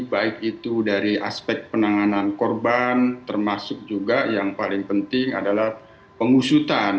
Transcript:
baik itu dari aspek penanganan korban termasuk juga yang paling penting adalah pengusutan